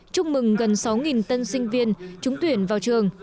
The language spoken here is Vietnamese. chúc mừng gần sáu tân sinh viên trúng tuyển vào trường